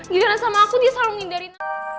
gimana sama aku dia selalu ngindarin